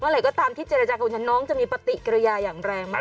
วันไหร่ก็ตามที่เจรจักรคุณช้าน้องจะมีปฏิกรยายอย่างแรงมาก